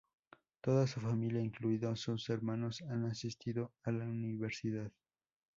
Toda su familia, incluidos sus hermanos, han asistido a la universidad.